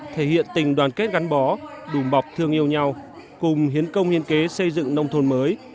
thể hiện tình đoàn kết gắn bó đùm bọc thương yêu nhau cùng hiến công hiến kế xây dựng nông thôn mới